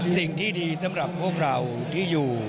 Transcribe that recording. สิ่งที่ดีสำหรับพวกเราที่อยู่